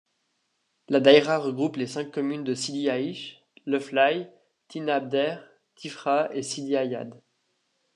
La daïra regroupe les cinq communes de Sidi-Aïch, Leflaye, Tinabdher, Tifra et Sidi Ayad.